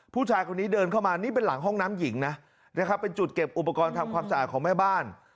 ผู้ชายคนนี้เดินเข้ามานี่เป็นหลังห้องน้ำหญิงนะนะครับเป็นจุดเก็บอุปกรณ์ทำความสะอาดของแม่บ้าน